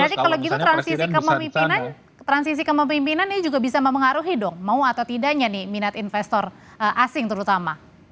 berarti kalau gitu transisi kepemimpinan ini juga bisa mempengaruhi dong mau atau tidaknya nih minat investor asing terutama